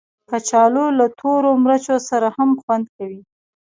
کچالو له تورو مرچو سره هم خوند کوي